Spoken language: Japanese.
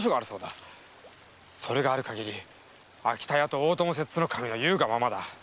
それがある限り秋田屋と大友摂津守の言うがままだ。